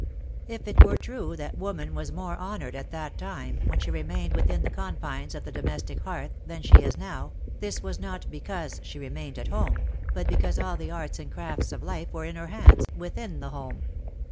If it were true that Woman was more honoured at that time, when she remained within the confines of the domestic hearth, than she is now, this was not because she remained at home, but because all the arts and crafts of life were in her hands — within the home.